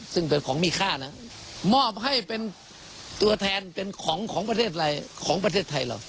ซึ่งเป็นของมีค่านะมอบให้เป็นตัวแทนเป็นของของประเทศไทยเรา